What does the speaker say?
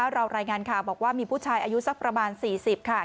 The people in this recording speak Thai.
รายงานข่าวบอกว่ามีผู้ชายอายุสักประมาณ๔๐ค่ะ